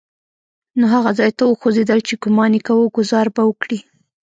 نو هغه ځای ته وخوځېدل چې ګومان يې کاوه ګوزاره به وکړي.